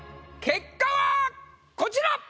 結果はこちら！